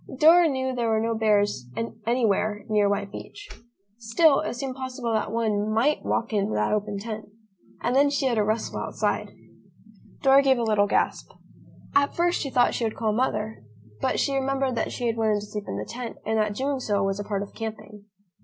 Dora knew there were no bears anywhere near White Beach. Still, it seemed possible that one might walk into that open tent. And then she heard a rustle outside. Dora gave a little gasp. At first, she thought she would call Mother, but she remembered that she had wanted to sleep in the tent and that doing so was a part of camping.